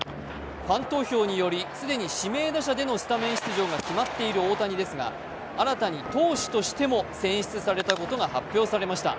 ファン投票により既に指名打者でのスタメン出場が決まっている大谷ですが、新たに投手としても選出されたことが発表されました。